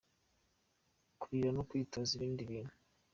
kurira no kwitoza ibindi bintu.